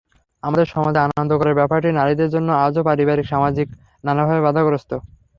আমাদের সমাজে আনন্দ করার ব্যাপারটি নারীদের জন্য আজও পারিবারিক, সামাজিক-নানাভাবে বাধাগ্রস্ত।